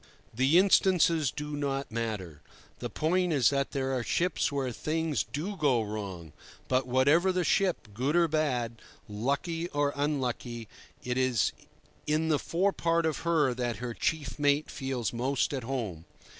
The instances do not matter. The point is that there are ships where things do go wrong; but whatever the ship—good or bad, lucky or unlucky—it is in the forepart of her that her chief mate feels most at home.